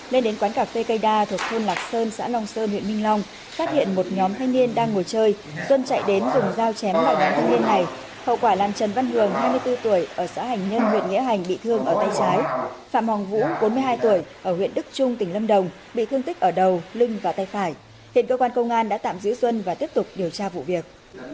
lên đến quán cà phê cây đa thuộc thôn lạc sơn xã long sơn huyện minh long phát hiện một nhóm thanh niên đang ngồi chơi duân chạy đến dùng dao chém lại đánh thanh niên này hậu quả làm trần văn hường hai mươi bốn tuổi ở xã hành nhân huyện nghĩa hành bị thương ở tay trái phạm hồng vũ bốn mươi hai tuổi ở huyện đức trung tỉnh lâm đồng bị thương tích ở đầu lưng và tay phải hiện cơ quan công an đã tạm giữ duân và tiếp tục điều tra vụ việc